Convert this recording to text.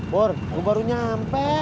pur gue baru nyampe